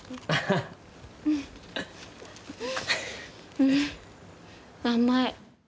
うん、甘い。